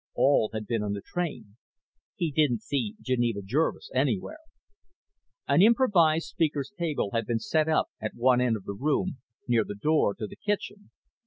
All had been on the train. He didn't see Geneva Jervis anywhere. An improvised speaker's table had been set up at one end of the room, near the door to the kitchen.